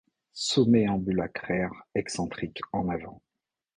Sommet ambulacraire excentrique en avant.